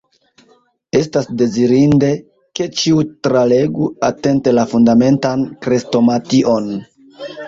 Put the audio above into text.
Estas dezirinde, ke ĉiu, tralegu atente la Fundamentan Krestomation.